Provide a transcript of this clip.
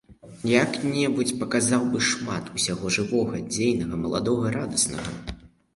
Як-небудзь паказаў бы шмат усяго жывога, дзейнага, маладога, радаснага.